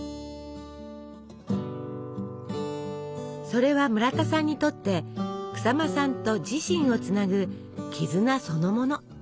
それは村田さんにとって日馬さんと自身をつなぐ絆そのもの。